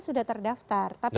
sudah terdaftar tapi tidak di sini